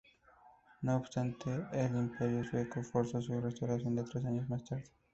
No obstante, el Imperio sueco forzó su restauración tres años más tarde.